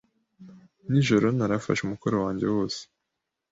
Nijoro narafashe umukoro wanjye wose.